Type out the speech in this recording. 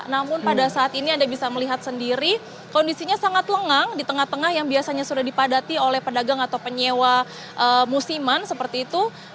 namun pada saat ini anda bisa melihat sendiri kondisinya sangat lengang di tengah tengah yang biasanya sudah dipadati oleh pedagang atau penyewa musiman seperti itu